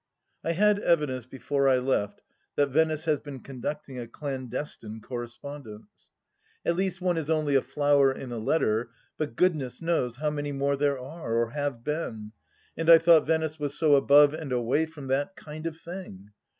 I had evidence before I left that Venice has been con ducting a clandestine correspondence. At least one is only a flower in a letter, but goodness knows how many more there are, or have been, and I thought Venice was so above and away from that kind of thing